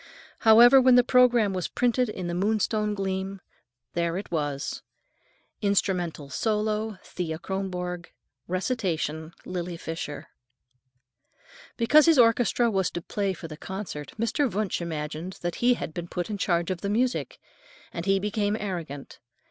However, when the programme was printed in the Moonstone Gleam, there it was: "Instrumental solo, Thea Kronborg. Recitation, Lily Fisher." Because his orchestra was to play for the concert, Mr. Wunsch imagined that he had been put in charge of the music, and he became arrogant.